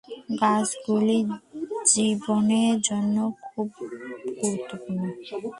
গাছগুলি জীবনের জন্য খুব গুরুত্বপূর্ণ।